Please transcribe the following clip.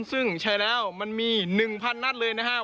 ซึ่งใช้แล้วมันมี๑๐๐นัดเลยนะครับ